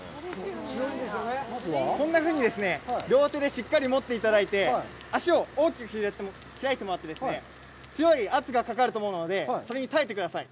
まずは、こんなふうに両手でしっかり持っていただいて、足を大きく開いてもらって、強い圧がかかると思うので、それに耐えてください。